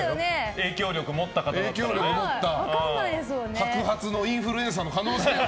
影響力を持った白髪のインフルエンサーの可能性が。